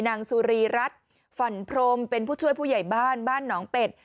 นางสุรีรัฐฝั่นพรมเป็นผู้ช่วยผู้ใหญ่บ้านบ้านหนองเป็ด